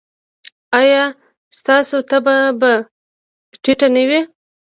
ایا ستاسو تبه به ټیټه نه وي؟